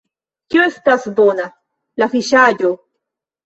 Kio estas bona? la fiŝaĵo!